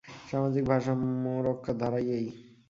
সামাজিক ভারসাম্য রক্ষার ধারাই এই।